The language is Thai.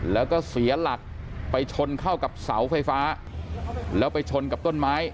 แล้วก็เสียหลักไปชนเข้ากับเสาไฟฟ้าแล้วไปชนกับต้นไม้